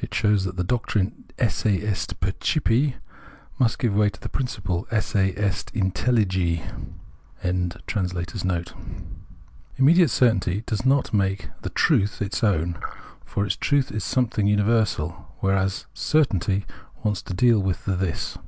It shows that the doctrine "esse est percipi " must give way to the principle "esse est iutelligi.''] IMMEDIATE certainty does not make the truth its own, for its truth is something universal, whereas certainty wants to deal with the This.